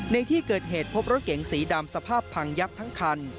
ในที่เกิดเหตุพบรถเก๋งสีดำสภาพพังยับทั้งคัน